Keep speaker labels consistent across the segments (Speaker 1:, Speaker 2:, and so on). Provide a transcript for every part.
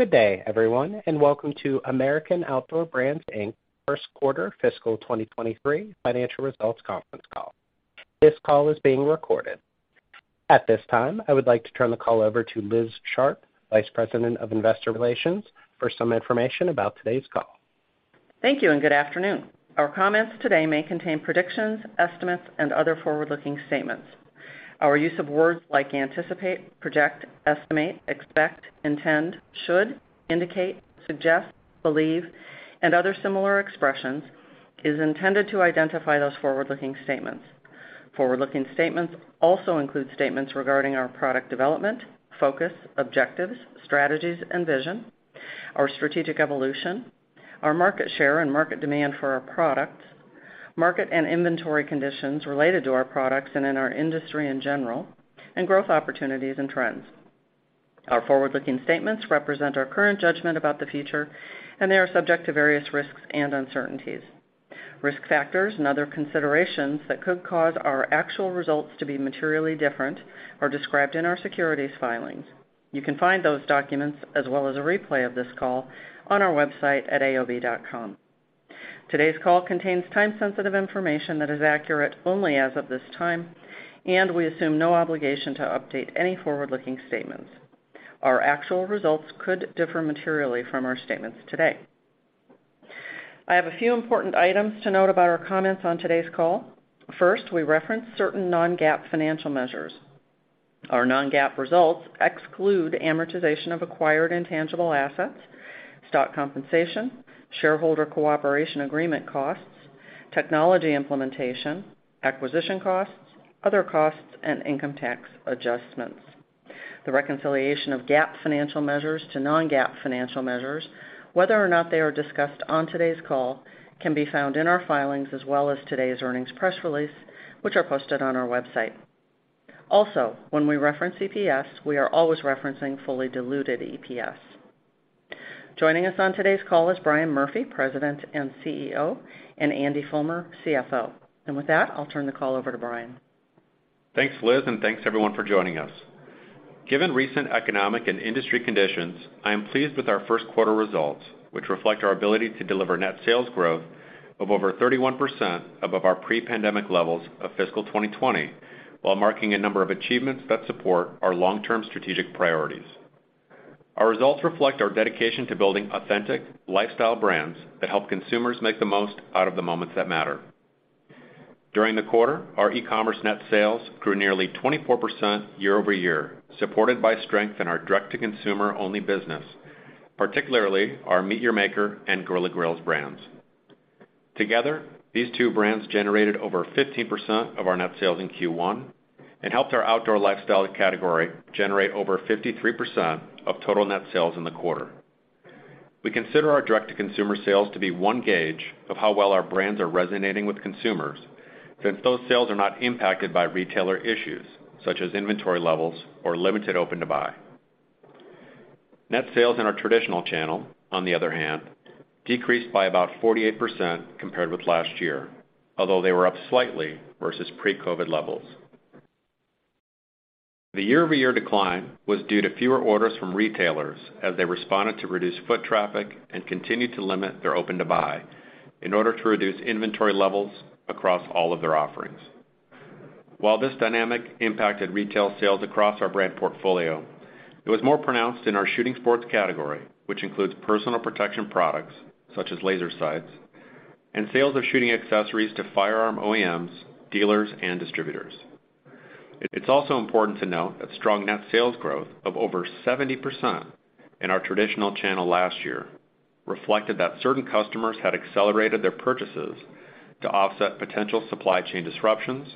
Speaker 1: Good day, everyone, and welcome to American Outdoor Brands, Inc. Q1 Fiscal 2023 Financial Results Conference Call. This call is being recorded. At this time, I would like to turn the call over to Liz Sharp, VP of Investor Relations, for some information about today's call.
Speaker 2: Thank you, and good afternoon. Our comments today may contain predictions, estimates, and other forward-looking statements. Our use of words like anticipate, project, estimate, expect, intend, should, indicate, suggest, believe, and other similar expressions is intended to identify those forward-looking statements. Forward-looking statements also include statements regarding our product development, focus, objectives, strategies, and vision, our strategic evolution, our market share and market demand for our products, market and inventory conditions related to our products and in our industry in general, and growth opportunities and trends. Our forward-looking statements represent our current judgment about the future, and they are subject to various risks and uncertainties. Risk factors and other considerations that could cause our actual results to be materially different are described in our securities filings. You can find those documents as well as a replay of this call on our website at aob.com. Today's call contains time-sensitive information that is accurate only as of this time, and we assume no obligation to update any forward-looking statements. Our actual results could differ materially from our statements today. I have a few important items to note about our comments on today's call. First, we reference certain non-GAAP financial measures. Our non-GAAP results exclude amortization of acquired intangible assets, stock compensation, shareholder cooperation agreement costs, technology implementation, acquisition costs, other costs, and income tax adjustments. The reconciliation of GAAP financial measures to non-GAAP financial measures, whether or not they are discussed on today's call, can be found in our filings as well as today's earnings press release, which are posted on our website. Also, when we reference EPS, we are always referencing fully diluted EPS. Joining us on today's call is Brian Murphy, President and CEO, and Andy Fulmer, CFO. With that, I'll turn the call over to Brian.
Speaker 3: Thanks, Liz, and thanks everyone for joining us. Given recent economic and industry conditions, I am pleased with our Q1 results, which reflect our ability to deliver net sales growth of over 31% above our pre-pandemic levels of fiscal 2020 while marking a number of achievements that support our long-term strategic priorities. Our results reflect our dedication to building authentic lifestyle brands that help consumers make the most out of the moments that matter. During the quarter, our e-commerce net sales grew nearly 24% year-over-year, supported by strength in our direct-to-consumer-only business, particularly our MEAT! Your Maker and Grilla Grills brands. Together, these two brands generated over 15% of our net sales in Q1 and helped our outdoor lifestyle category generate over 53% of total net sales in the quarter. We consider our direct-to-consumer sales to be one gauge of how well our brands are resonating with consumers, since those sales are not impacted by retailer issues such as inventory levels or limited open to buy. Net sales in our traditional channel, on the other hand, decreased by about 48% compared with last year, although they were up slightly versus pre-COVID levels. The year-over-year decline was due to fewer orders from retailers as they responded to reduced foot traffic and continued to limit their open to buy in order to reduce inventory levels across all of their offerings. While this dynamic impacted retail sales across our brand portfolio, it was more pronounced in our shooting sports category, which includes personal protection products such as laser sights and sales of shooting accessories to firearm OEMs, dealers, and distributors. It's also important to note that strong net sales growth of over 70% in our traditional channel last year reflected that certain customers had accelerated their purchases to offset potential supply chain disruptions,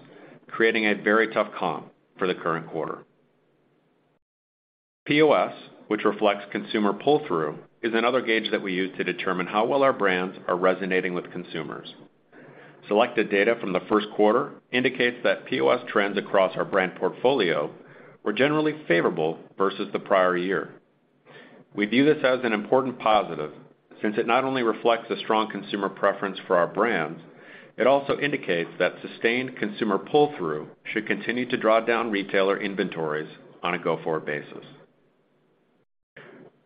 Speaker 3: creating a very tough comp for the current quarter. POS, which reflects consumer pull-through, is another gauge that we use to determine how well our brands are resonating with consumers. Selected data from the Q1 indicates that POS trends across our brand portfolio were generally favorable versus the prior year. We view this as an important positive since it not only reflects a strong consumer preference for our brands, it also indicates that sustained consumer pull-through should continue to draw down retailer inventories on a go-forward basis.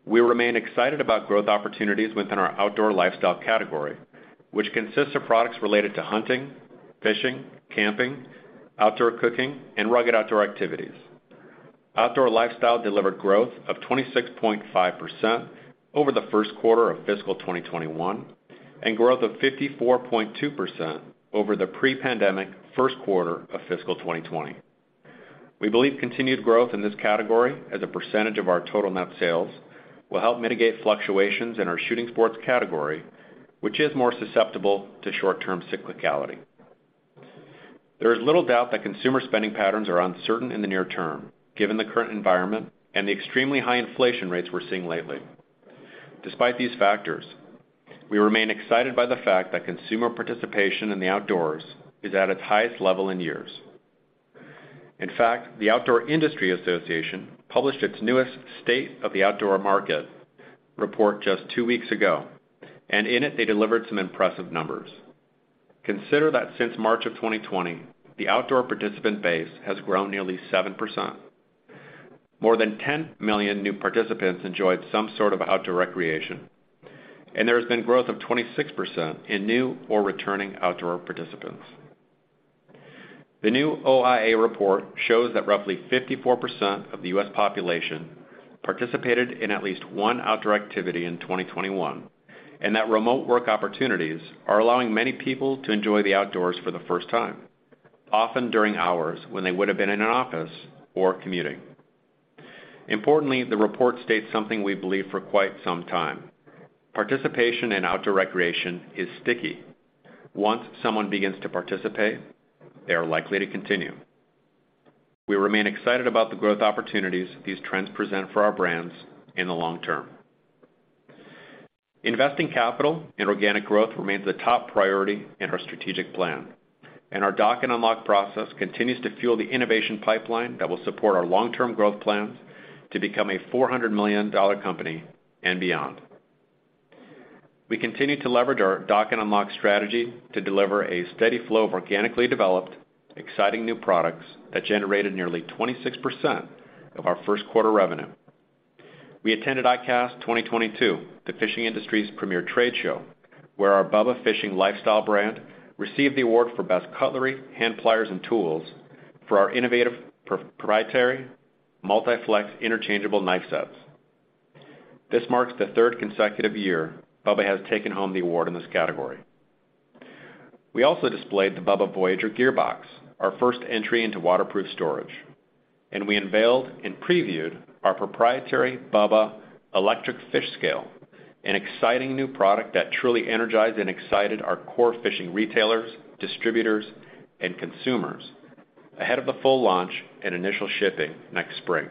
Speaker 3: We remain excited about growth opportunities within our outdoor lifestyle category, which consists of products related to hunting, fishing, camping, outdoor cooking, and rugged outdoor activities. Outdoor lifestyle delivered growth of 26.5% over the Q1 of fiscal 2021 and growth of 54.2% over the pre-pandemicQ1 of fiscal 2020. We believe continued growth in this category as a percentage of our total net sales will help mitigate fluctuations in our shooting sports category, which is more susceptible to short-term cyclicality. There is little doubt that consumer spending patterns are uncertain in the near term, given the current environment and the extremely high inflation rates we're seeing lately. Despite these factors, we remain excited by the fact that consumer participation in the outdoors is at its highest level in years. In fact, the Outdoor Industry Association published its newest State of the Outdoor Market report just two weeks ago, and in it, they delivered some impressive numbers. Consider that since March of 2020, the outdoor participant base has grown nearly 7%. More than 10 million new participants enjoyed some sort of outdoor recreation, and there has been growth of 26% in new or returning outdoor participants. The new OIA report shows that roughly 54% of the U.S. population participated in at least one outdoor activity in 2021, and that remote work opportunities are allowing many people to enjoy the outdoors for the first time, often during hours when they would have been in an office or commuting. Importantly, the report states something we believe for quite some time. Participation in outdoor recreation is sticky. Once someone begins to participate, they are likely to continue. We remain excited about the growth opportunities these trends present for our brands in the long term. Investing capital in organic growth remains the top priority in our strategic plan, and our Dock and Unlock process continues to fuel the innovation pipeline that will support our long-term growth plans to become a $400 million company and beyond. We continue to leverage our Dock and Unlock strategy to deliver a steady flow of organically developed, exciting new products that generated nearly 26% of our first quarter revenue. We attended ICAST 2022, the fishing industry's premier trade show, where our BUBBA fishing lifestyle brand received the award for best cutlery, hand pliers, and tools for our innovative proprietary Multi-Flex Interchangeable Knife Sets. This marks the third consecutive year BUBBA has taken home the award in this category. We also displayed the BUBBA Voyager Gear Box, our first entry into waterproof storage, and we unveiled and previewed our proprietary BUBBA electric fish scale, an exciting new product that truly energized and excited our core fishing retailers, distributors, and consumers ahead of the full launch and initial shipping next spring.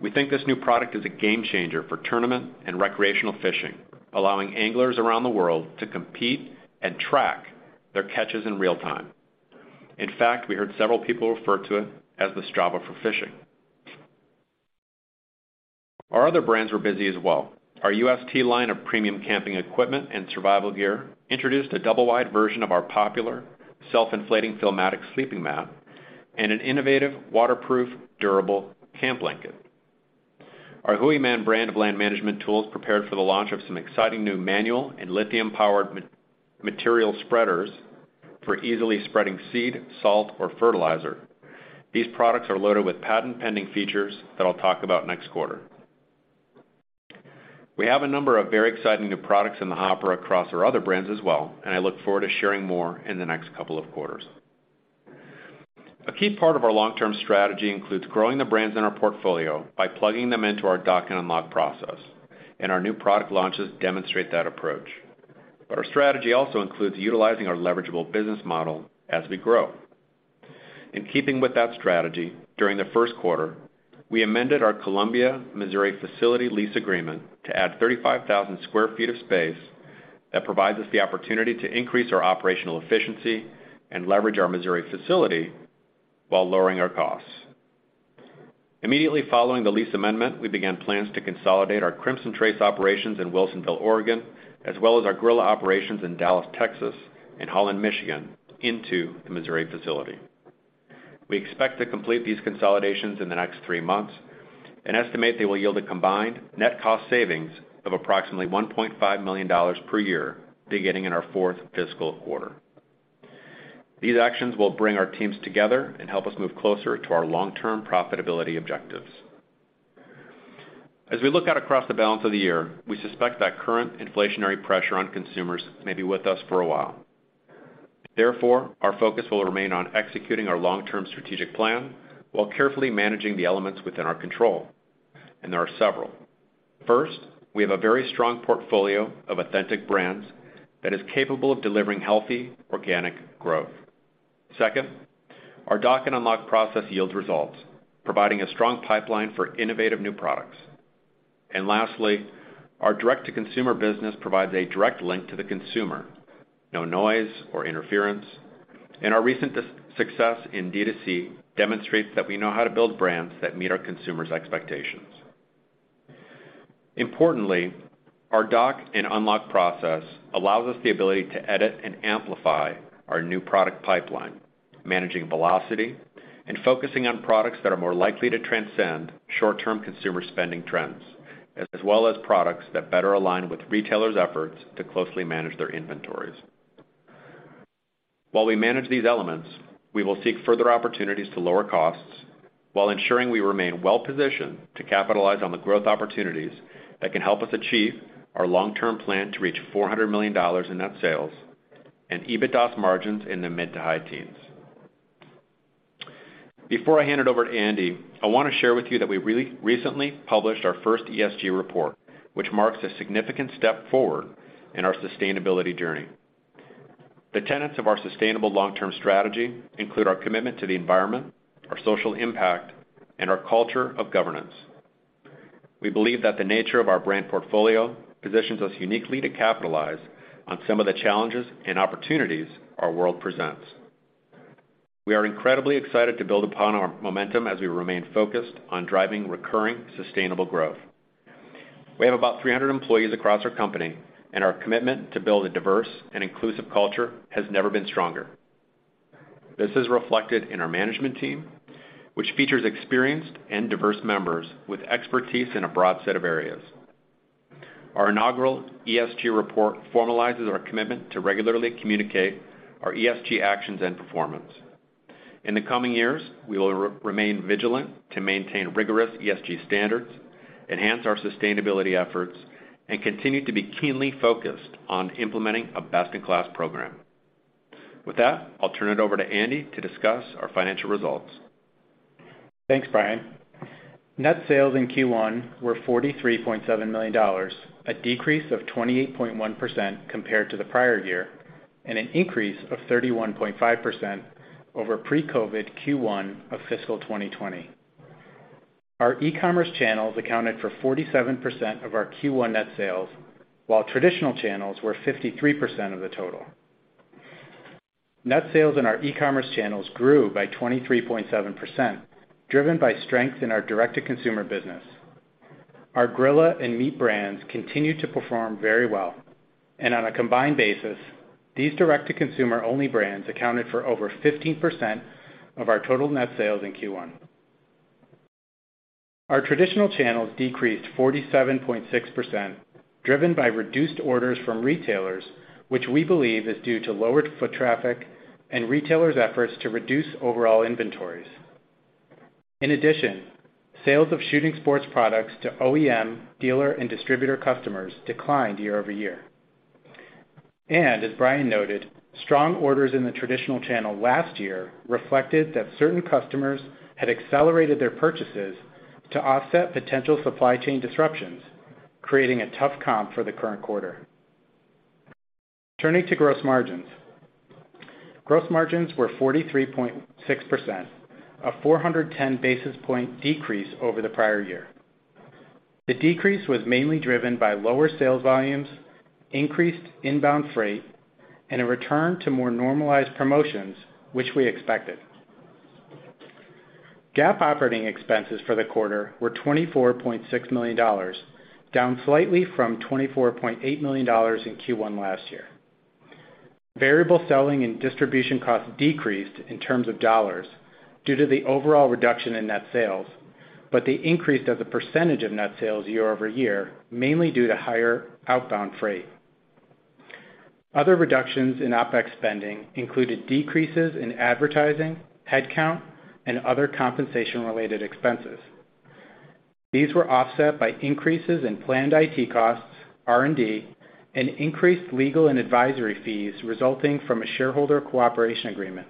Speaker 3: We think this new product is a game changer for tournament and recreational fishing, allowing anglers around the world to compete and track their catches in real time. In fact, we heard several people refer to it as the Strava for fishing. Our other brands were busy as well. Our ust line of premium camping equipment and survival gear introduced a double-wide version of our popular self-inflating Fillmatic sleeping mat and an innovative, waterproof, durable camp blanket. Our Hooyman brand of land management tools prepared for the launch of some exciting new manual and lithium-powered material spreaders for easily spreading seed, salt, or fertilizer. These products are loaded with patent-pending features that I'll talk about next quarter. We have a number of very exciting new products in the hopper across our other brands as well, and I look forward to sharing more in the next couple of quarters. A key part of our long-term strategy includes growing the brands in our portfolio by plugging them into our Dock and Unlock process, and our new product launches demonstrate that approach. Our strategy also includes utilizing our leverageable business model as we grow. In keeping with that strategy, during the first quarter, we amended our Columbia, Missouri facility lease agreement to add 35,000 sq ft of space that provides us the opportunity to increase our operational efficiency and leverage our Missouri facility while lowering our costs. Immediately following the lease amendment, we began plans to consolidate our Crimson Trace operations in Wilsonville, Oregon, as well as our Grilla operations in Dallas, Texas, and Holland, Michigan, into the Missouri facility. We expect to complete these consolidations in the next three months and estimate they will yield a combined net cost savings of approximately $1.5 million per year beginning in our fourth fiscal quarter. These actions will bring our teams together and help us move closer to our long-term profitability objectives. As we look out across the balance of the year, we suspect that current inflationary pressure on consumers may be with us for a while. Therefore, our focus will remain on executing our long-term strategic plan while carefully managing the elements within our control, and there are several. First, we have a very strong portfolio of authentic brands that is capable of delivering healthy, organic growth. Second, our Dock and Unlock process yields results, providing a strong pipeline for innovative new products. Lastly, our direct-to-consumer business provides a direct link to the consumer, no noise or interference. Our recent success in D to C demonstrates that we know how to build brands that meet our consumers' expectations. Importantly, our Dock and Unlock process allows us the ability to edit and amplify our new product pipeline, managing velocity and focusing on products that are more likely to transcend short-term consumer spending trends, as well as products that better align with retailers' efforts to closely manage their inventories. While we manage these elements, we will seek further opportunities to lower costs while ensuring we remain well-positioned to capitalize on the growth opportunities that can help us achieve our long-term plan to reach $400 million in net sales and EBITDA margins in the mid- to high teens%. Before I hand it over to Andy, I want to share with you that we recently published our first ESG report, which marks a significant step forward in our sustainability journey. The tenets of our sustainable long-term strategy include our commitment to the environment, our social impact, and our culture of governance. We believe that the nature of our brand portfolio positions us uniquely to capitalize on some of the challenges and opportunities our world presents. We are incredibly excited to build upon our momentum as we remain focused on driving recurring sustainable growth. We have about 300 employees across our company, and our commitment to build a diverse and inclusive culture has never been stronger. This is reflected in our management team, which features experienced and diverse members with expertise in a broad set of areas. Our inaugural ESG report formalizes our commitment to regularly communicate our ESG actions and performance. In the coming years, we will remain vigilant to maintain rigorous ESG standards, enhance our sustainability efforts, and continue to be keenly focused on implementing a best-in-class program. With that, I'll turn it over to Andy to discuss our financial results.
Speaker 4: Thanks, Brian. Net sales in Q1 were $43.7 million, a decrease of 28.1% compared to the prior year, and an increase of 31.5% over pre-COVID Q1 of fiscal 2020. Our e-commerce channels accounted for 47% of our Q1 net sales, while traditional channels were 53% of the total. Net sales in our e-commerce channels grew by 23.7%, driven by strength in our direct-to-consumer business. Our Grilla and MEAT! Your Maker continued to perform very well. On a combined basis, these direct-to-consumer-only brands accounted for over 15% of our total net sales in Q1. Our traditional channels decreased 47.6%, driven by reduced orders from retailers, which we believe is due to lowered foot traffic and retailers' efforts to reduce overall inventories. In addition, sales of shooting sports products to OEM, dealer, and distributor customers declined year-over-year. As Brian noted, strong orders in the traditional channel last year reflected that certain customers had accelerated their purchases to offset potential supply chain disruptions, creating a tough comp for the current quarter. Turning to gross margins. Gross margins were 43.6%, a 410 basis point decrease over the prior year. The decrease was mainly driven by lower sales volumes, increased inbound freight, and a return to more normalized promotions, which we expected. GAAP operating expenses for the quarter were $24.6 million, down slightly from $24.8 million in Q1 last year. Variable selling and distribution costs decreased in terms of dollars due to the overall reduction in net sales, but they increased as a percentage of net sales year-over-year, mainly due to higher outbound freight. Other reductions in OpEx spending included decreases in advertising, head count, and other compensation related expenses. These were offset by increases in planned IT costs, R&D, and increased legal and advisory fees resulting from a shareholder cooperation agreement.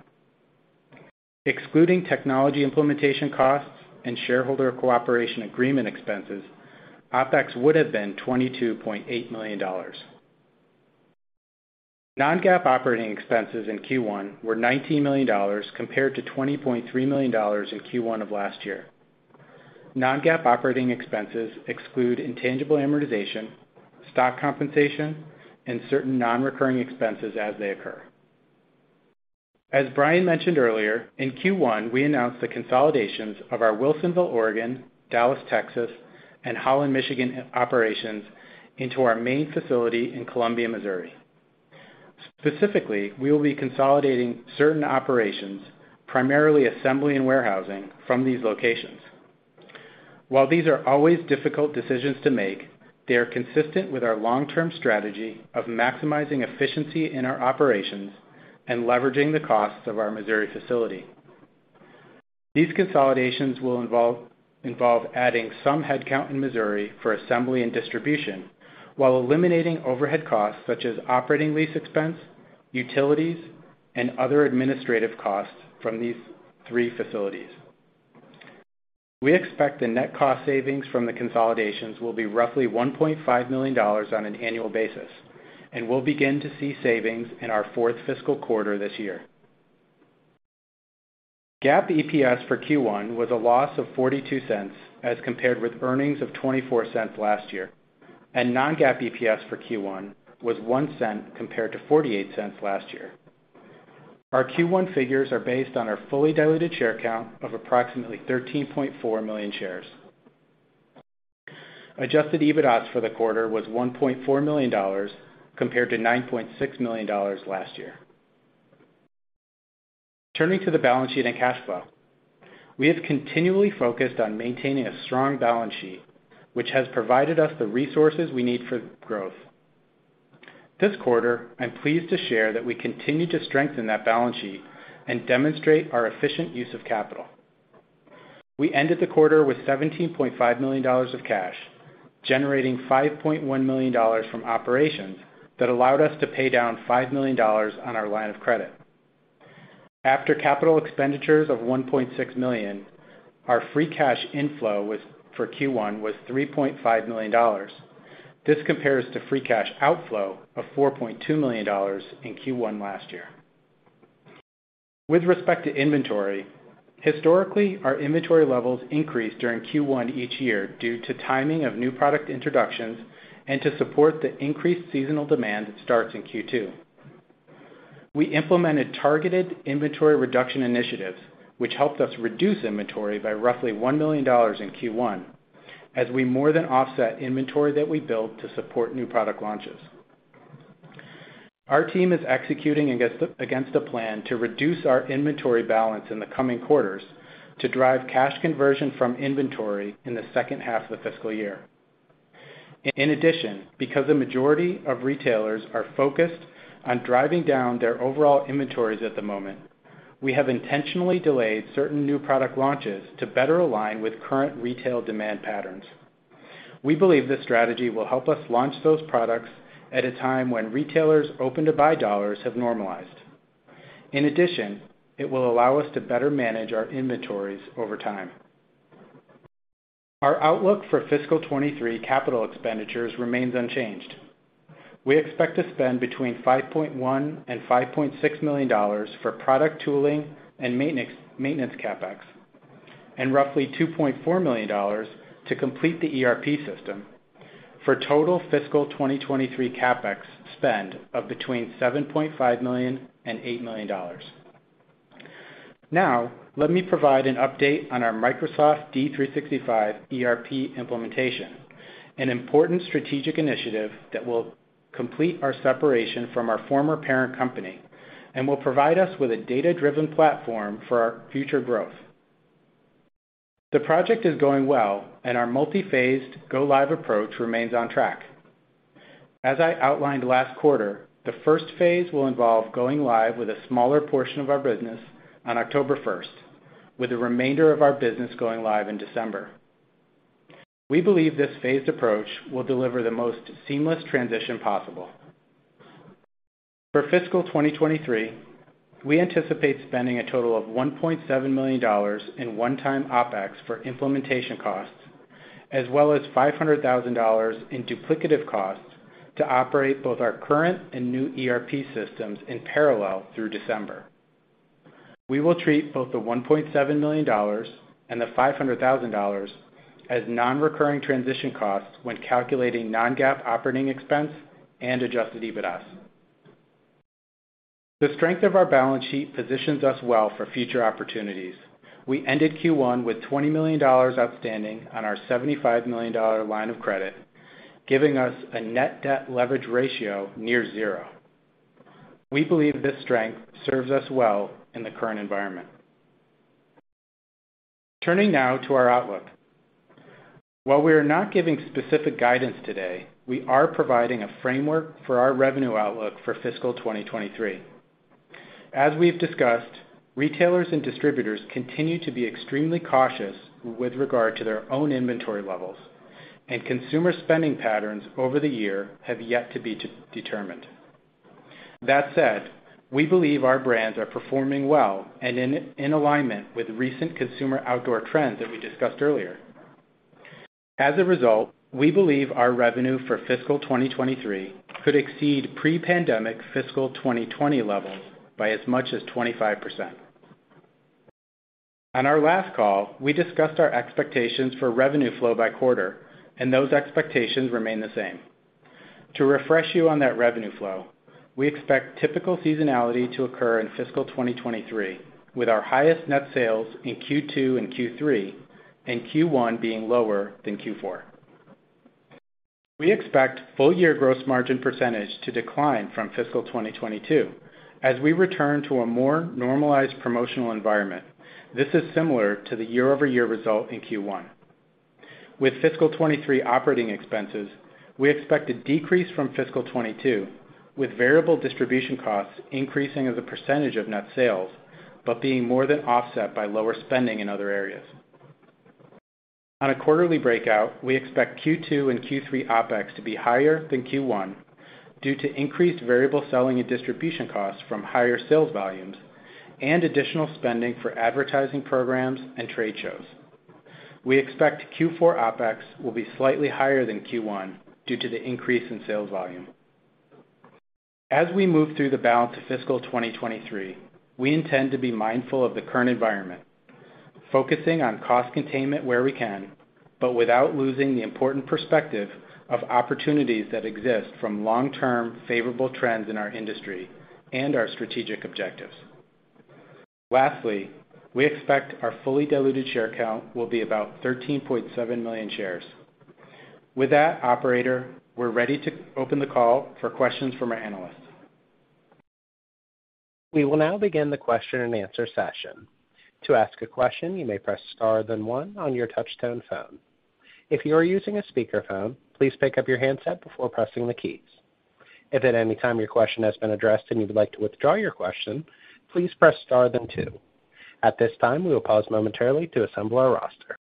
Speaker 4: Excluding technology implementation costs and shareholder cooperation agreement expenses, OpEx would have been $22.8 million. Non-GAAP operating expenses in Q1 were $19 million compared to $23 million in Q1 of last year. Non-GAAP operating expenses exclude intangible amortization, stock compensation, and certain non-recurring expenses as they occur. As Brian mentioned earlier, in Q1, we announced the consolidations of our Wilsonville, Oregon, Dallas, Texas, and Holland, Michigan operations into our main facility in Columbia, Missouri. Specifically, we will be consolidating certain operations, primarily assembly and warehousing, from these locations. While these are always difficult decisions to make, they are consistent with our long-term strategy of maximizing efficiency in our operations and leveraging the costs of our Missouri facility. These consolidations will involve adding some headcount in Missouri for assembly and distribution while eliminating overhead costs such as operating lease expense, utilities, and other administrative costs from these three facilities. We expect the net cost savings from the consolidations will be roughly $1.5 million on an annual basis, and we'll begin to see savings in our fourth fiscal quarter this year. GAAP EPS for Q1 was a loss of $0.42 as compared with earnings of $0.24 last year, and non-GAAP EPS for Q1 was $0.01 compared to $0.48 last year. Our Q1 figures are based on our fully diluted share count of approximately 13.4 million shares. Adjusted EBITDAS for the quarter was $1.4 million compared to $9.6 million last year. Turning to the balance sheet and cash flow. We have continually focused on maintaining a strong balance sheet, which has provided us the resources we need for growth. This quarter, I'm pleased to share that we continue to strengthen that balance sheet and demonstrate our efficient use of capital. We ended the quarter with $17.5 million of cash, generating $5.1 million from operations that allowed us to pay down $5 million on our line of credit. After capital expenditures of $1.6 million, our free cash inflow for Q1 was $3.5 million. This compares to free cash outflow of $4.2 million in Q1 last year. With respect to inventory. Historically, our inventory levels increased during Q1 each year due to timing of new product introductions and to support the increased seasonal demand that starts in Q2. We implemented targeted inventory reduction initiatives, which helped us reduce inventory by roughly $1 million in Q1 as we more than offset inventory that we built to support new product launches. Our team is executing against the plan to reduce our inventory balance in the coming quarters to drive cash conversion from inventory in the second half of the fiscal year. In addition, because the majority of retailers are focused on driving down their overall inventories at the moment, we have intentionally delayed certain new product launches to better align with current retail demand patterns. We believe this strategy will help us launch those products at a time when retailers open to buy dollars have normalized. In addition, it will allow us to better manage our inventories over time. Our outlook for fiscal 2023 capital expenditures remains unchanged. We expect to spend between $5.1 million and $5.6 million for product tooling and maintenance CapEx, and roughly $2.4 million to complete the ERP system for total fiscal 2023 CapEx spend of between $7.5 million and $8 million. Now let me provide an update on our Microsoft D365 ERP implementation, an important strategic initiative that will complete our separation from our former parent company and will provide us with a data-driven platform for our future growth. The project is going well, and our multi-phased go live approach remains on track. As I outlined last quarter, the first phase will involve going live with a smaller portion of our business on October first, with the remainder of our business going live in December. We believe this phased approach will deliver the most seamless transition possible. For fiscal 2023, we anticipate spending a total of $1.7 million in one-time OpEx for implementation costs, as well as $500,000 in duplicative costs to operate both our current and new ERP systems in parallel through December. We will treat both the $1.7 million and the $500,000 as non-recurring transition costs when calculating non-GAAP operating expense and adjusted EBITDAS. The strength of our balance sheet positions us well for future opportunities. We ended Q1 with $20 million outstanding on our $75 million line of credit, giving us a net debt leverage ratio near zero. We believe this strength serves us well in the current environment. Turning now to our outlook. While we are not giving specific guidance today, we are providing a framework for our revenue outlook for fiscal 2023. As we've discussed, retailers and distributors continue to be extremely cautious with regard to their own inventory levels, and consumer spending patterns over the year have yet to be determined. That said, we believe our brands are performing well and in alignment with recent consumer outdoor trends that we discussed earlier. As a result, we believe our revenue for fiscal 2023 could exceed pre-pandemic fiscal 2020 levels by as much as 25%. On our last call, we discussed our expectations for revenue flow by quarter, and those expectations remain the same. To refresh you on that revenue flow, we expect typical seasonality to occur in fiscal 2023, with our highest net sales in Q2 and Q3 and Q1 being lower than Q4. We expect full year gross margin percentage to decline from fiscal 2022 as we return to a more normalized promotional environment. This is similar to the year-over-year result in Q1. With fiscal 2023 operating expenses, we expect a decrease from fiscal 2022, with variable distribution costs increasing as a percentage of net sales, but being more than offset by lower spending in other areas. On a quarterly breakout, we expect Q2 and Q3 OpEx to be higher than Q1 due to increased variable selling and distribution costs from higher sales volumes and additional spending for advertising programs and trade shows. We expect Q4 OpEx will be slightly higher than Q1 due to the increase in sales volume. As we move through the balance of fiscal 2023, we intend to be mindful of the current environment, focusing on cost containment where we can, but without losing the important perspective of opportunities that exist from long-term favorable trends in our industry and our strategic objectives. Lastly, we expect our fully diluted share count will be about 13.7 million shares. With that, operator, we're ready to open the call for questions from our analysts.
Speaker 1: We will now begin the question-and-answer session. To ask a question, you may press star, then one on your touch tone phone. If you are using a speakerphone, please pick up your handset before pressing the keys. If at any time your question has been addressed and you would like to withdraw your question, please press star then two. At this time, we will pause momentarily to assemble our roster.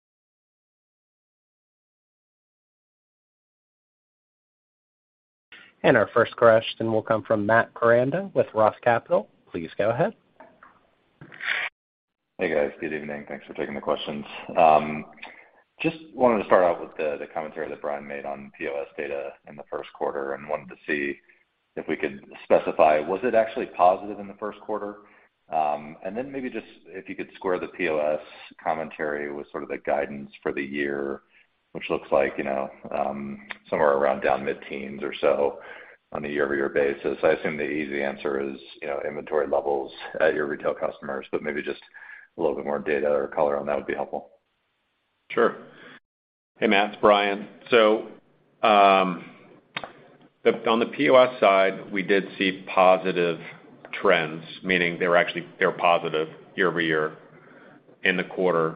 Speaker 1: Our first question will come from Matt Koranda with Roth Capital. Please go ahead.
Speaker 5: Hey, guys. Good evening. Thanks for taking the questions. Just wanted to start out with the commentary that Brian made on POS data in the first quarter, and wanted to see if we could specify, was it actually positive in the Q1? And then maybe just if you could square the POS commentary with sort of the guidance for the year, which looks like, you know, somewhere around down mid-teens or so on a year-over-year basis. I assume the easy answer is, you know, inventory levels at your retail customers, but maybe just a little bit more data or color on that would be helpful.
Speaker 3: Sure. Hey, Matt, it's Brian. On the POS side, we did see positive trends, meaning they were positive year-over-year in the quarter.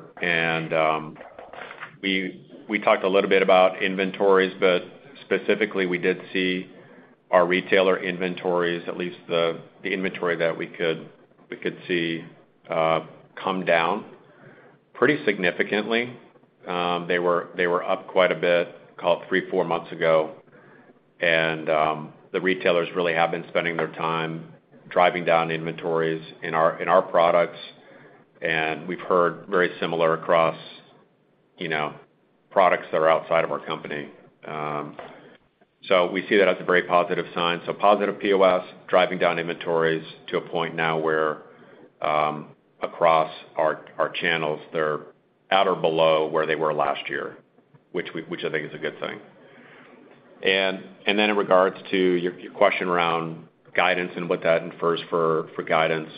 Speaker 3: We talked a little bit about inventories, but specifically, we did see our retailer inventories, at least the inventory that we could see, come down pretty significantly. They were up quite a bit, call it three, four months ago. The retailers really have been spending their time driving down inventories in our products. We've heard very similar across products that are outside of our company. We see that as a very positive sign. Positive POS driving down inventories to a point now where, across our channels, they're at or below where they were last year, which I think is a good thing. In regards to your question around guidance and what that infers for guidance,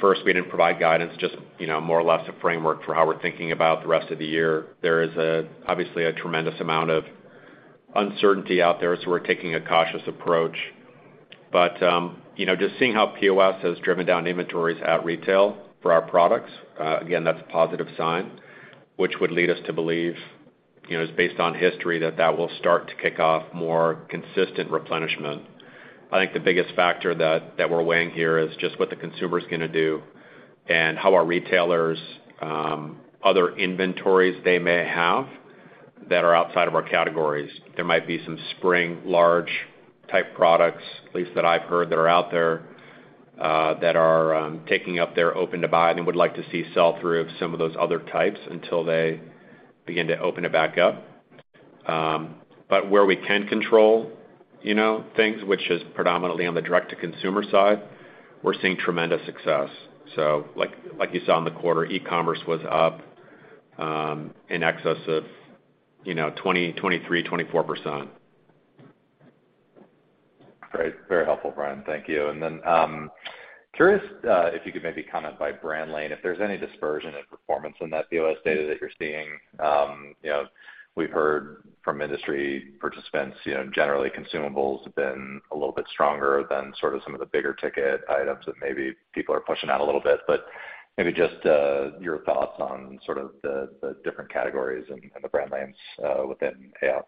Speaker 3: first, we didn't provide guidance, just, you know, more or less a framework for how we're thinking about the rest of the year. There is obviously a tremendous amount of uncertainty out there, so we're taking a cautious approach. You know, just seeing how POS has driven down inventories at retail for our products, again, that's a positive sign, which would lead us to believe, you know, it's based on history that will start to kick off more consistent replenishment. I think the biggest factor that we're weighing here is just what the consumer's gonna do and how our retailers' other inventories they may have that are outside of our categories. There might be some spring large-ticket products, at least that I've heard, that are out there that are taking up their open-to-buy, and they would like to see sell-through of some of those other types until they begin to open it back up. But where we can control, you know, things, which is predominantly on the direct-to-consumer side, we're seeing tremendous success. Like you saw in the quarter, e-commerce was up in excess of, you know, 23%-24%.
Speaker 5: Great. Very helpful, Brian. Thank you. Curious if you could maybe comment by brand lane if there's any dispersion in performance in that POS data that you're seeing. You know, we've heard from industry participants, you know, generally consumables have been a little bit stronger than sort of some of the bigger ticket items that maybe people are pushing out a little bit. Maybe just your thoughts on sort of the different categories and the brand lanes within AOB.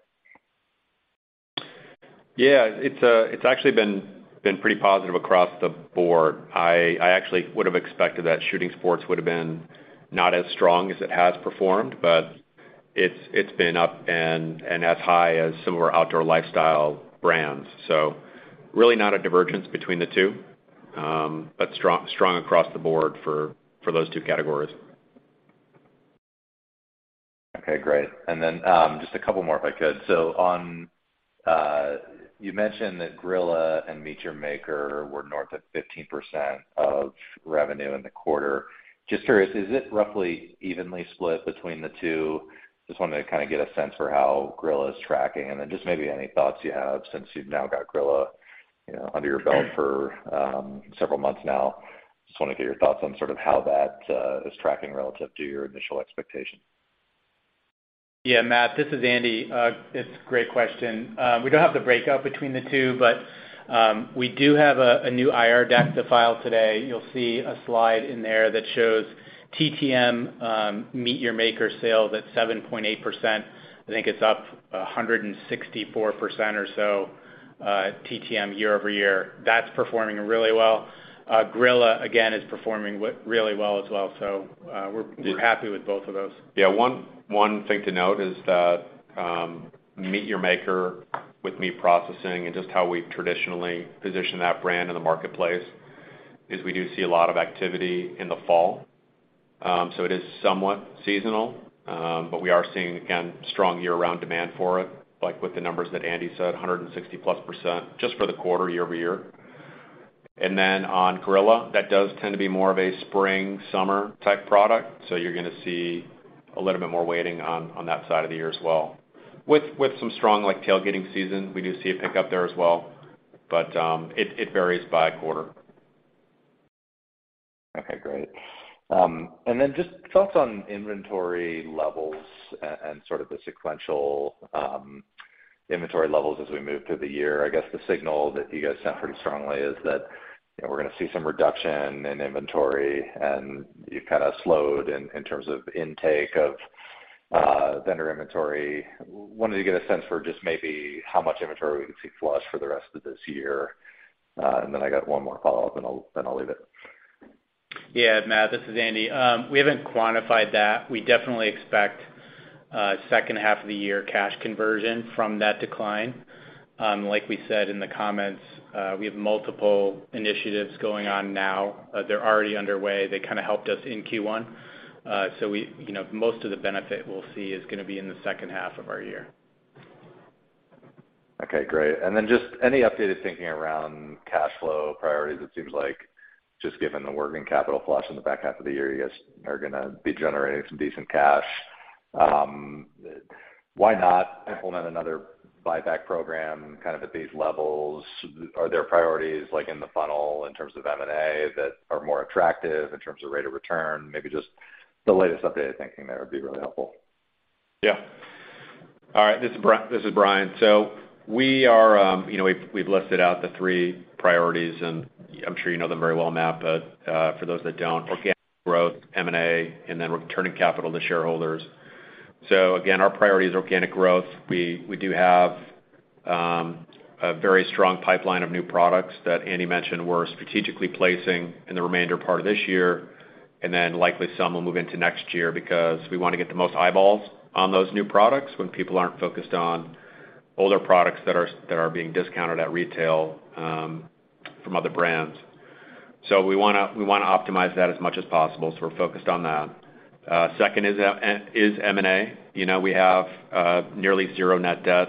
Speaker 3: Yeah. It's actually been pretty positive across the board. I actually would have expected that Shooting Sports would have been not as strong as it has performed, but it's been up and as high as some of our outdoor lifestyle brands. Really not a divergence between the two, but strong across the board for those two categories.
Speaker 5: Okay, great. Just a couple more if I could. On, you mentioned that Grilla and MEAT! Your Maker were north of 15% of revenue in the quarter. Just curious, is it roughly evenly split between the two? Just wanted to kinda get a sense for how Grilla is tracking, and then just maybe any thoughts you have since you've now got Grilla, you know, under your belt for several months now. Just wanna get your thoughts on sort of how that is tracking relative to your initial expectation.
Speaker 4: Yeah, Matt, this is Andy. It's a great question. We don't have the breakdown between the two, but we do have a new IR deck to file today. You'll see a slide in there that shows TTM MEAT! Your Maker sales at 7.8%. I think it's up 164% or so TTM year-over-year. That's performing really well. Grilla, again, is performing really well as well. We're happy with both of those.
Speaker 3: One thing to note is that, MEAT! Your Maker with meat processing and just how we've traditionally positioned that brand in the marketplace is we do see a lot of activity in the fall. It is somewhat seasonal, but we are seeing, again, strong year-round demand for it, like with the numbers that Andy said, 160%+ just for the quarter year-over-year. On Grilla, that does tend to be more of a spring, summer type product. You're gonna see a little bit more weighting on that side of the year as well. With some strong like tailgating season, we do see a pickup there as well, but it varies by quarter.
Speaker 5: Okay, great. Just thoughts on inventory levels and sort of the sequential inventory levels as we move through the year. I guess the signal that you guys sent pretty strongly is that, you know, we're gonna see some reduction in inventory, and you've kinda slowed in terms of intake of vendor inventory. Wanted to get a sense for just maybe how much inventory we could see flush for the rest of this year. I got one more follow-up, and I'll leave it.
Speaker 4: Yeah, Matt, this is Andy. We haven't quantified that. We definitely expect second half of the year cash conversion from that decline. Like we said in the comments, we have multiple initiatives going on now. They're already underway. They kinda helped us in Q1. So we, you know, most of the benefit we'll see is gonna be in the second half of our year.
Speaker 5: Okay, great. Just any updated thinking around cash flow priorities, it seems like just given the working capital flush in the back half of the year, you guys are gonna be generating some decent cash. Why not implement another buyback program kind of at these levels? Are there priorities like in the funnel in terms of M&A that are more attractive in terms of rate of return? Maybe just the latest updated thinking there would be really helpful.
Speaker 3: Yeah. All right, this is Brian. We are, you know, we've listed out the three priorities, and I'm sure you know them very well, Matt, but for those that don't, organic growth, M&A, and then returning capital to shareholders. Our priority is organic growth. We do have a very strong pipeline of new products that Andy mentioned we're strategically placing in the remainder part of this year. Then likely some will move into next year because we wanna get the most eyeballs on those new products when people aren't focused on older products that are being discounted at retail from other brands. We wanna optimize that as much as possible, so we're focused on that. Second is M&A. You know, we have nearly zero net debt,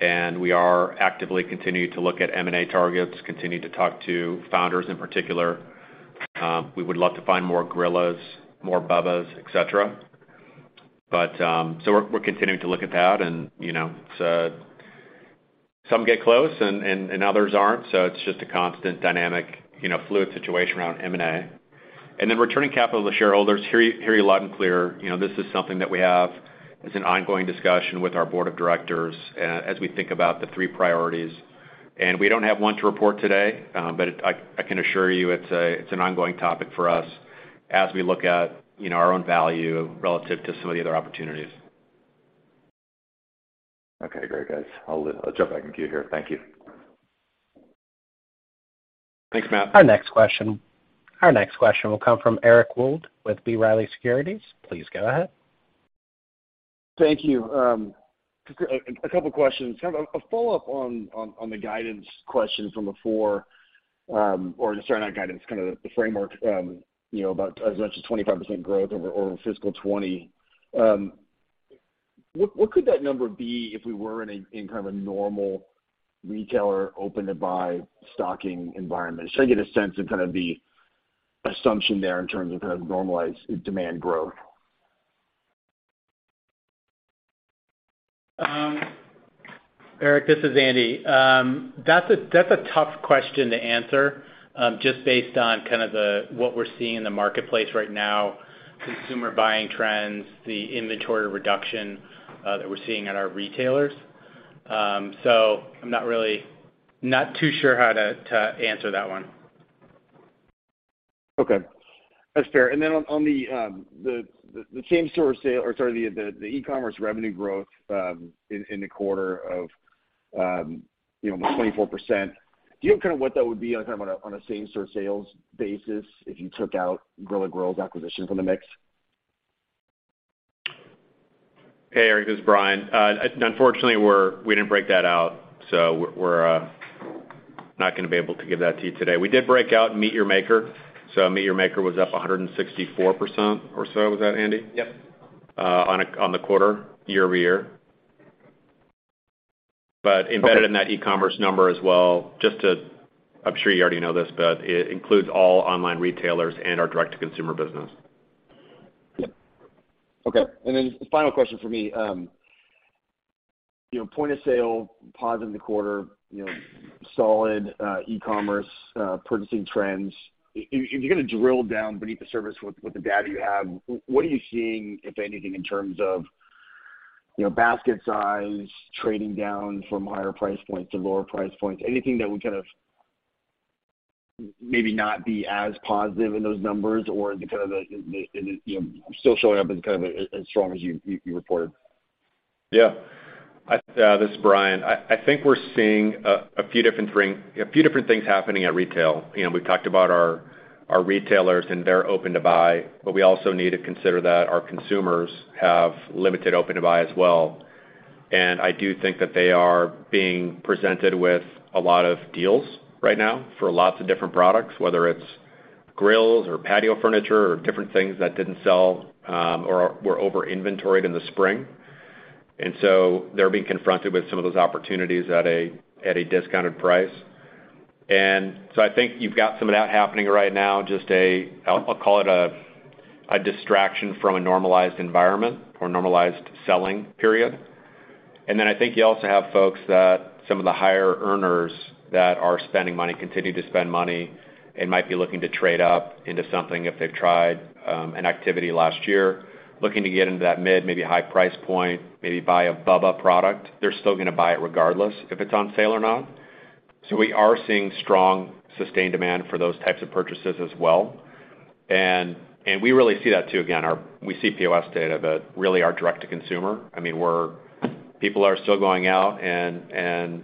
Speaker 3: and we are actively continuing to look at M&A targets, continue to talk to founders in particular. We would love to find more Grillas, more BUBBAs, et cetera. We're continuing to look at that and, you know, some get close and others aren't, so it's just a constant dynamic, you know, fluid situation around M&A. Returning capital to shareholders, hear you loud and clear. You know, this is something that we have as an ongoing discussion with our board of directors as we think about the three priorities. We don't have one to report today, but I can assure you it's an ongoing topic for us as we look at, you know, our own value relative to some of the other opportunities.
Speaker 5: Okay, great, guys. I'll jump back in queue here. Thank you.
Speaker 3: Thanks, Matt.
Speaker 1: Our next question will come from Eric Wold with B. Riley Securities. Please go ahead.
Speaker 6: Thank you. Just a couple questions. Kind of a follow-up on the guidance question from before, or sorry, not guidance, kind of the framework, you know, about as much as 25% growth over fiscal 2020. What could that number be if we were in a kind of normal retailer open-to-buy stocking environment? Just trying to get a sense of kind of the assumption there in terms of kind of normalized demand growth.
Speaker 4: Eric, this is Andy. That's a tough question to answer, just based on kind of what we're seeing in the marketplace right now, consumer buying trends, the inventory reduction that we're seeing at our retailers. I'm not really too sure how to answer that one.
Speaker 6: Okay. That's fair. On the same store sales, or sorry, the e-commerce revenue growth in the quarter of you know, almost 24%. Do you have kind of what that would be on kind of on a same store sales basis if you took out Grilla Grills acquisition from the mix?
Speaker 3: Hey, Eric, this is Brian. Unfortunately, we didn't break that out, so we're not gonna be able to give that to you today. We did break out MEAT Your Maker, so MEAT Your Maker was up 164% or so. Was that, Andy?
Speaker 4: Yep.
Speaker 3: On the quarter year-over-year.
Speaker 6: Okay.
Speaker 3: Embedded in that e-commerce number as well, I'm sure you already know this, but it includes all online retailers and our direct-to-consumer business.
Speaker 6: Yep. Okay. Then final question for me. You know, point of sale positive in the quarter, you know, solid e-commerce purchasing trends. If you're gonna drill down beneath the surface with the data you have, what are you seeing, if anything, in terms of, you know, basket size trading down from higher price points to lower price points? Anything that would kind of maybe not be as positive in those numbers or the kind of you know, still showing up as kind of as strong as you reported?
Speaker 3: Yeah. This is Brian. I think we're seeing a few different things happening at retail. You know, we've talked about our retailers and their open-to-buy, but we also need to consider that our consumers have limited open-to-buy as well. I do think that they are being presented with a lot of deals right now for lots of different products, whether it's grills or patio furniture or different things that didn't sell or were over-inventoried in the spring. They're being confronted with some of those opportunities at a discounted price. I think you've got some of that happening right now, just a, I'll call it a distraction from a normalized environment or normalized selling period. I think you also have folks, some of the higher earners that are spending money continue to spend money and might be looking to trade up into something if they've tried an activity last year, looking to get into that mid-, maybe high-price point, maybe buy a BUBBA product. They're still gonna buy it regardless if it's on sale or not. We are seeing strong sustained demand for those types of purchases as well. We really see that too again, how we see POS data, but really our direct-to-consumer. I mean, people are still going out and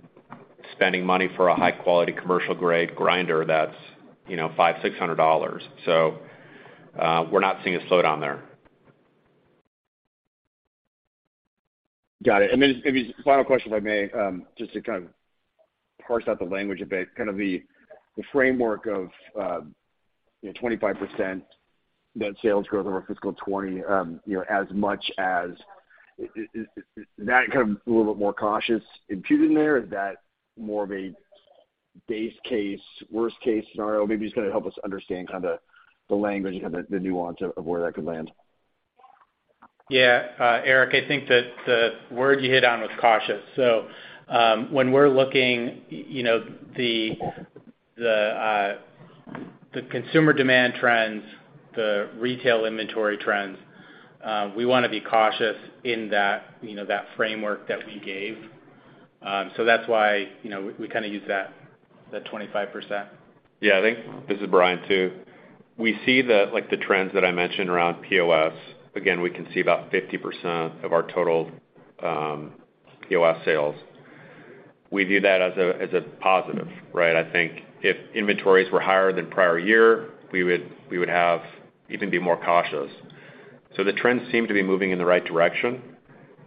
Speaker 3: spending money for a high-quality commercial grade grinder that's, you know, $500-$600. We're not seeing a slowdown there.
Speaker 6: Got it. Maybe final question, if I may, just to kind of parse out the language a bit, kind of the framework of 25% net sales growth over fiscal 2020, you know, is that kind of a little bit more cautious imputing there? Is that more of a base case, worst-case scenario? Maybe just kinda help us understand kind of the language and the nuance of where that could land.
Speaker 4: Yeah. Eric, I think that the word you hit on was cautious. When we're looking, you know, the consumer demand trends, the retail inventory trends, we wanna be cautious in that, you know, that framework that we gave. That's why, you know, we kinda use that 25%.
Speaker 3: This is Brian, too. We see, like, the trends that I mentioned around POS. Again, we can see about 50% of our total POS sales. We view that as a positive, right? I think if inventories were higher than prior year, we would have even be more cautious. The trends seem to be moving in the right direction.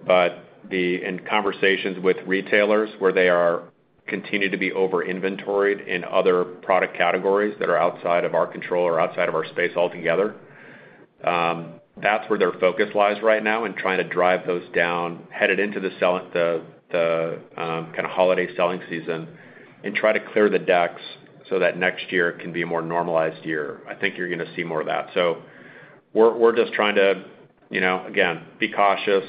Speaker 3: In conversations with retailers where they are continued to be over-inventoried in other product categories that are outside of our control or outside of our space altogether, that's where their focus lies right now in trying to drive those down, headed into the kinda holiday selling season and try to clear the decks so that next year can be a more normalized year. I think you're gonna see more of that. We're just trying to, you know, again, be cautious.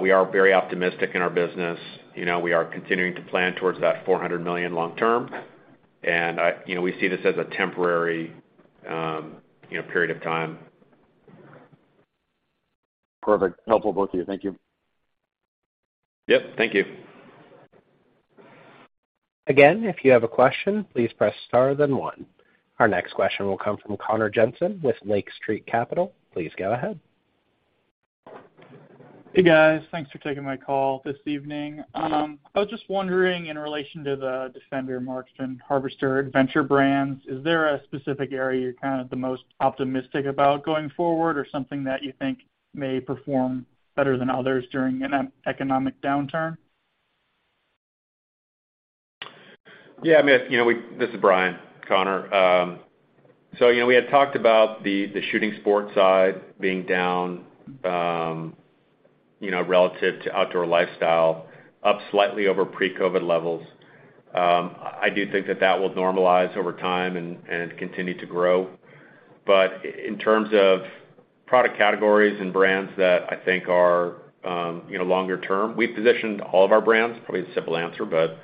Speaker 3: We are very optimistic in our business. You know, we are continuing to plan towards that $400 million long term. You know, we see this as a temporary, you know, period of time.
Speaker 6: Perfect. Helpful, both of you. Thank you.
Speaker 3: Yep. Thank you.
Speaker 1: Again, if you have a question, please press Star then One. Our next question will come from Connor Jensen with Lake Street Capital Markets. Please go ahead.
Speaker 7: Hey, guys. Thanks for taking my call this evening. I was just wondering, in relation to the Defender, Marksman, Harvester, Adventurer brands, is there a specific area you're kind of the most optimistic about going forward or something that you think may perform better than others during an economic downturn?
Speaker 3: Yeah, I mean, you know, this is Brian, Connor. So, you know, we had talked about the shooting sports side being down, you know, relative to outdoor lifestyle, up slightly over pre-COVID levels. I do think that will normalize over time and continue to grow. In terms of product categories and brands that I think are, you know, longer term, we've positioned all of our brands, probably a simple answer, but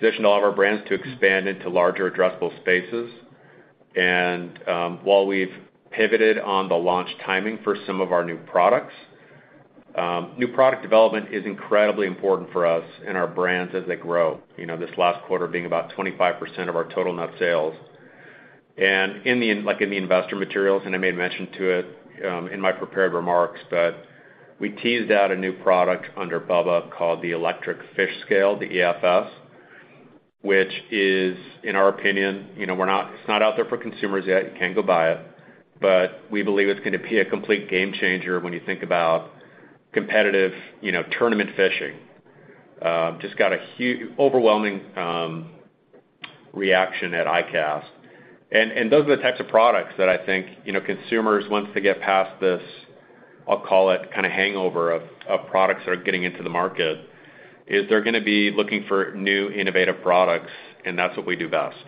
Speaker 3: positioned all of our brands to expand into larger addressable spaces. While we've pivoted on the launch timing for some of our new products, new product development is incredibly important for us and our brands as they grow. You know, this last quarter being about 25% of our total net sales. In the, like, in the investor materials, and I made mention to it in my prepared remarks, but we teased out a new product under BUBBA called the Electric Fish Scale, the EFS, which is, in our opinion, you know, it's not out there for consumers yet. You can't go buy it. But we believe it's gonna be a complete game changer when you think about competitive, you know, tournament fishing. Just got an overwhelming reaction at ICAST. Those are the types of products that I think, you know, consumers, once they get past this, I'll call it, kinda hangover of products that are getting into the market, is they're gonna be looking for new, innovative products, and that's what we do best.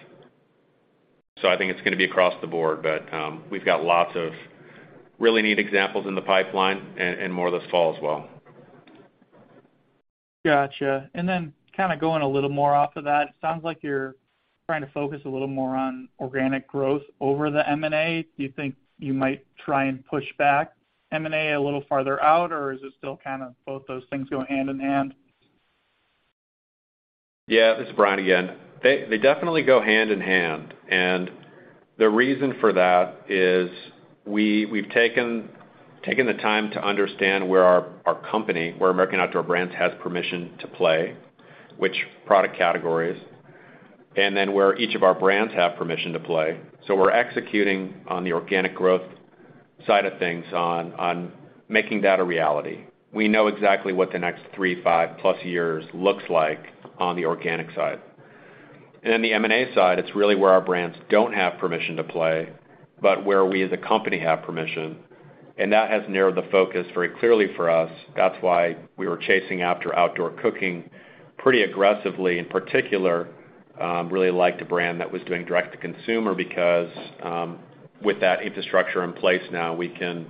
Speaker 3: I think it's gonna be across the board. We've got lots of really neat examples in the pipeline and more this fall as well.
Speaker 7: Gotcha. Kind of going a little more off of that, it sounds like you're trying to focus a little more on organic growth over the M&A. Do you think you might try and push back M&A a little farther out, or is it still kind of both those things go hand in hand?
Speaker 3: Yeah. This is Brian again. They definitely go hand in hand, and the reason for that is we've taken the time to understand where our company, where American Outdoor Brands has permission to play, which product categories, and then where each of our brands have permission to play. We're executing on the organic growth side of things on making that a reality. We know exactly what the next three, five+ years looks like on the organic side. Then the M&A side, it's really where our brands don't have permission to play, but where we as a company have permission, and that has narrowed the focus very clearly for us. That's why we were chasing after outdoor cooking pretty aggressively. In particular, really liked a brand that was doing direct to consumer because, with that infrastructure in place now, we can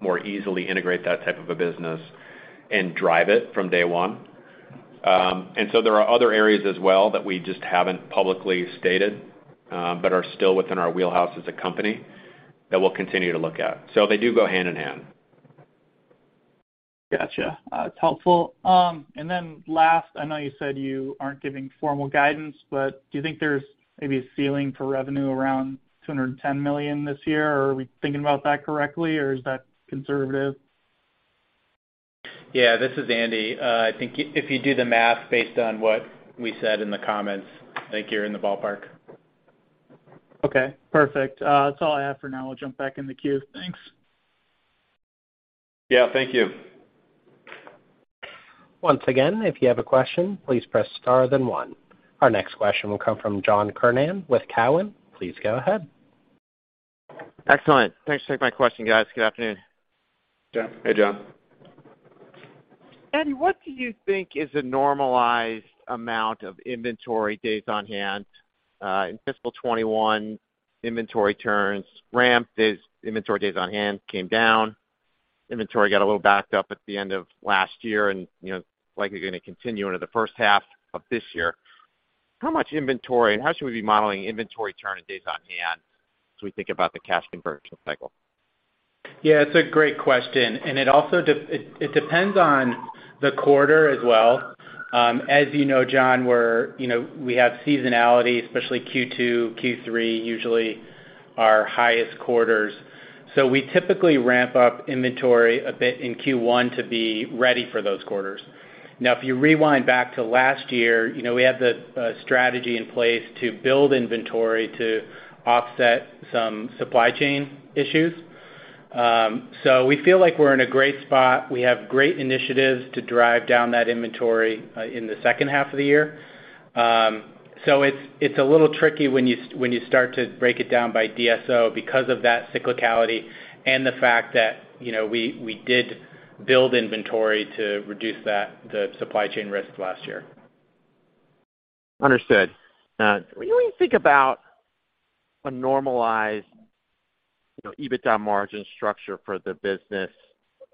Speaker 3: more easily integrate that type of a business and drive it from day one. There are other areas as well that we just haven't publicly stated, but are still within our wheelhouse as a company that we'll continue to look at. They do go hand in hand.
Speaker 7: Gotcha. It's helpful. Last, I know you said you aren't giving formal guidance, but do you think there's maybe a ceiling for revenue around $210 million this year, or are we thinking about that correctly, or is that conservative?
Speaker 4: Yeah, this is Andy. I think if you do the math based on what we said in the comments, I think you're in the ballpark.
Speaker 7: Okay, perfect. That's all I have for now. I'll jump back in the queue. Thanks.
Speaker 3: Yeah, thank you.
Speaker 1: Once again, if you have a question, please press Star then one. Our next question will come from John Kernan with Cowen. Please go ahead.
Speaker 8: Excellent. Thanks for taking my question, guys. Good afternoon.
Speaker 3: John. Hey, John.
Speaker 8: Andy, what do you think is a normalized amount of inventory days on hand? In fiscal 2021, inventory turns ramped as inventory days on hand came down. Inventory got a little backed up at the end of last year and, you know, likely gonna continue into the first half of this year. How much inventory and how should we be modeling inventory turn and days on hand as we think about the cash conversion cycle?
Speaker 4: Yeah, it's a great question. It also depends on the quarter as well. As you know, John, you know, we have seasonality, especially Q2, Q3, usually our highest quarters. We typically ramp up inventory a bit in Q1 to be ready for those quarters. Now, if you rewind back to last year, you know, we had the strategy in place to build inventory to offset some supply chain issues. We feel like we're in a great spot. We have great initiatives to drive down that inventory in the second half of the year. It's a little tricky when you start to break it down by DSO because of that cyclicality and the fact that, you know, we did build inventory to reduce that, the supply chain risk last year.
Speaker 8: Understood. When we think about a normalized, you know, EBITDA margin structure for the business,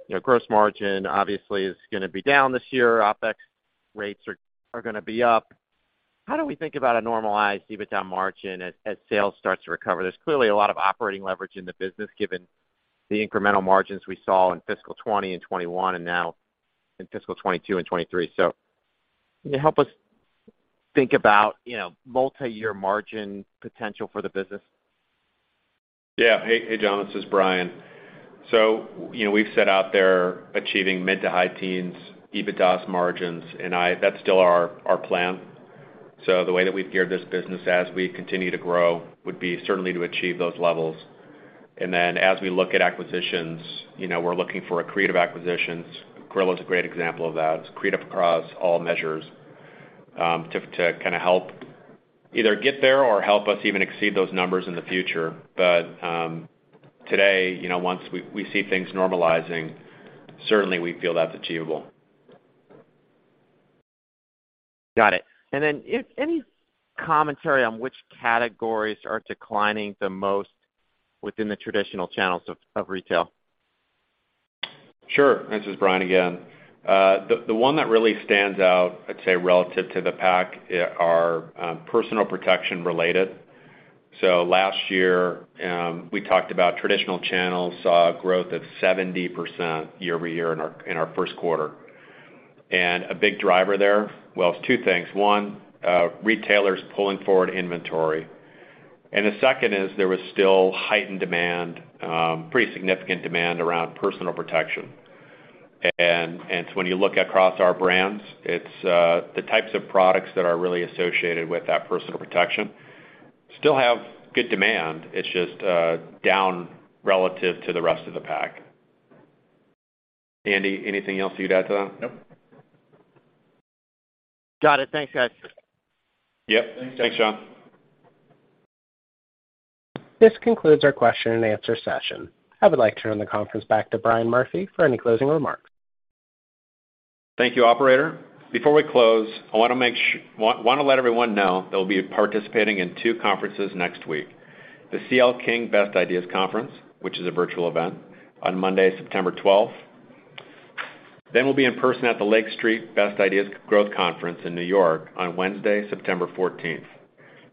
Speaker 8: you know, gross margin obviously is gonna be down this year. OpEx rates are gonna be up. How do we think about a normalized EBITDA margin as sales starts to recover? There's clearly a lot of operating leverage in the business given the incremental margins we saw in fiscal 2020 and 2021 and now in fiscal 2022 and 2023. Can you help us think about, you know, multi-year margin potential for the business?
Speaker 3: Hey, John, this is Brian. You know, we've set out to achieve mid- to high-teens EBITDA margins and that's still our plan. The way that we've geared this business as we continue to grow would be certainly to achieve those levels. Then as we look at acquisitions, you know, we're looking for accretive acquisitions. Grilla is a great example of that. It's accretive across all measures to kinda help either get there or help us even exceed those numbers in the future. Today, you know, once we see things normalizing, certainly we feel that's achievable.
Speaker 8: Got it. If any commentary on which categories are declining the most within the traditional channels of retail?
Speaker 3: Sure. This is Brian again. The one that really stands out, I'd say, relative to the pack, are personal protection related. Last year, we talked about traditional channels saw a growth of 70% year-over-year in our first quarter. A big driver there, well, it's two things. One, retailers pulling forward inventory, and the second is there was still heightened demand, pretty significant demand around personal protection. When you look across our brands, it's the types of products that are really associated with that personal protection still have good demand. It's just down relative to the rest of the pack. Andy, anything else you'd add to that?
Speaker 4: Nope.
Speaker 8: Got it. Thanks, guys.
Speaker 3: Yep. Thanks, John Kernan.
Speaker 1: This concludes our question and answer session. I would like to turn the conference back to Brian Murphy for any closing remarks.
Speaker 3: Thank you, operator. Before we close, I wanna let everyone know that we'll be participating in two conferences next week, the C.L. King's Best Ideas Conference, which is a virtual event on Monday, September twelfth. We'll be in person at the Lake Street Best Ideas Growth Conference in New York on Wednesday, September fourteenth.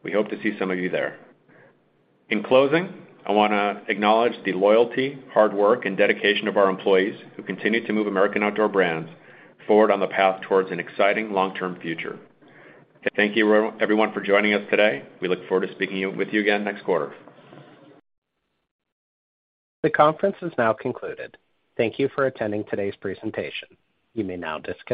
Speaker 3: We hope to see some of you there. In closing, I wanna acknowledge the loyalty, hard work, and dedication of our employees who continue to move American Outdoor Brands forward on the path towards an exciting long-term future. Thank you, everyone for joining us today. We look forward to speaking with you again next quarter.
Speaker 1: The conference is now concluded. Thank you for attending today's presentation. You may now disconnect.